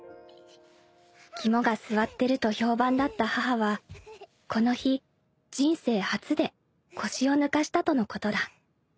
［肝が据わってると評判だった母はこの日人生初で腰を抜かしたとのことだ］